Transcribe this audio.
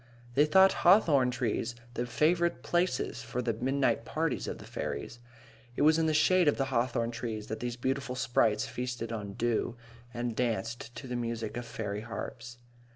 They thought hawthorn trees the favourite places for the midnight parties of the fairies. It was in the shade of the hawthorn trees that these beautiful sprites feasted on dew, and danced to the music of fairy harps.